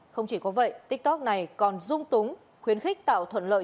không chỉ có vậy tiktok này còn dung túng khuyến khích tạo thuận lợi